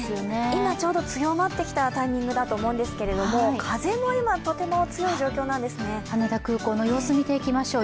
今、ちょうど強まってきたタイミングだと思うんですけど、風も今、とても強い状況なんですね羽田空港の様子、見ていきましょう。